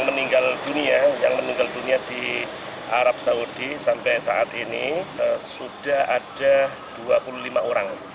tiga anggota jemaah yang meninggal menjadi dua puluh lima orang